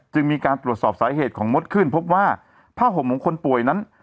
มีการตรวจสอบสาเหตุของมดขึ้นพบว่าผ้าห่มของคนป่วยนั้น